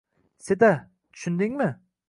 Seda, tushundingmi?